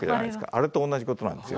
あれとおんなじことなんですよ。